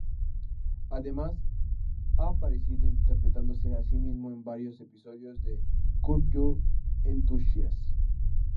Además, ha aparecido interpretándose a sí mismo en varios episodios de "Curb Your Enthusiasm".